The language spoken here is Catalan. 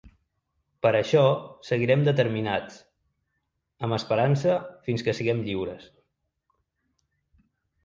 Per això, seguirem determinats, amb esperança, fins que siguem lliures.